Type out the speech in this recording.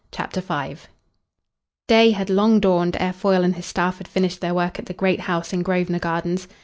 CHAPTER V Day had long dawned ere Foyle and his staff had finished their work at the great house in Grosvenor Gardens.